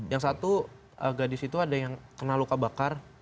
yang satu gadis itu ada yang kena luka bakar